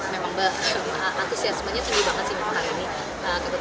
memang bah antusiasmenya tinggi banget sih